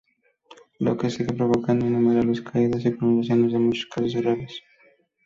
Lo que sigue provocando innumerables caídas y con lesiones en muchos casos graves.